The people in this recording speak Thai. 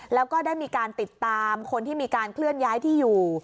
แล้วก็ได้มีการติดตามคนที่มีการเคลื่อนย้ายที่อยู่